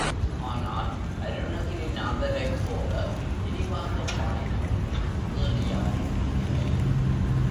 ஆனால் அருணகிரிநாதரைப் போல விரிவாகப் பாடினவர்கள் வேறு யாரும் இல்லை.